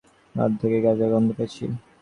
রাস্তা থেকেই গাজার গন্ধ পেয়েছি।